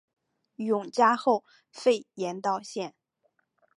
永嘉后废严道县。